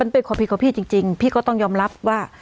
เป็นความผิดของพี่จริงพี่ก็ต้องยอมรับว่า